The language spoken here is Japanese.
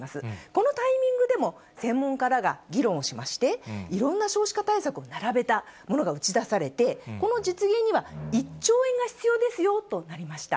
このタイミングでも、専門家らが議論をしまして、いろんな少子化対策を並べたものが打ち出されて、この実現には、１兆円が必要ですよとなりました。